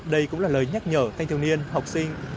đây cũng là lời nhắc nhở thanh thiếu niên học sinh